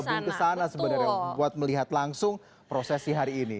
pengen gabung ke sana sebenarnya buat melihat langsung proses si hari ini